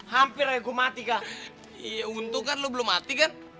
hampir gua mati kan iya untuk kan lu belum mati kan